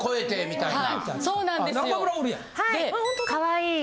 ・かわいい！